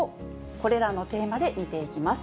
これらのテーマで見ていきます。